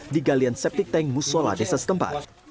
di galian septic tank musola desa setempat